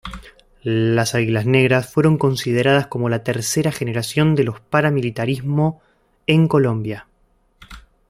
Las Águilas Negras fueron consideradas como la tercera generación de los Paramilitarismo en Colombia.